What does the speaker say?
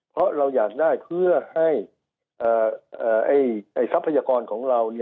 เพราะเราอยากได้เพื่อให้ทรัพยากรของเรา